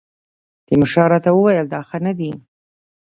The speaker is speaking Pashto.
تیمورشاه راته وویل دا ښه نه دی.